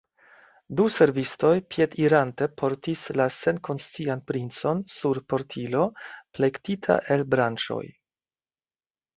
Du servistoj piedirante portis la senkonscian princon sur portilo, plektita el branĉoj.